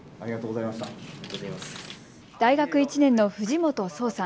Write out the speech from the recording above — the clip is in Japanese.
大学１年の藤本壮さん。